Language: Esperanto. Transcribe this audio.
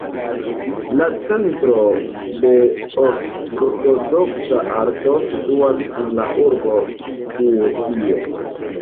La Centro de Ortodoksa Arto situas en la urbo Kuopio.